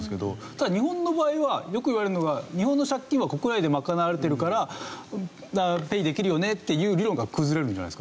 ただ日本の場合はよく言われるのが日本の借金は国内で賄われているからペイできるよねっていう理論が崩れるんじゃないんですかね。